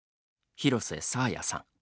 廣瀬爽彩さん